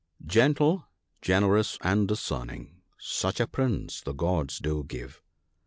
—Gentle, generous, and discerning ; such a Prince the Gods do give